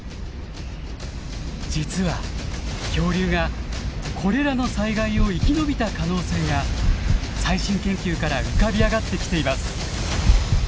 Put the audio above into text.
実は恐竜がこれらの災害を生き延びた可能性が最新研究から浮かび上がってきています。